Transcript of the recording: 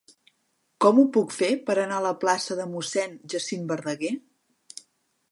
Com ho puc fer per anar a la plaça de Mossèn Jacint Verdaguer?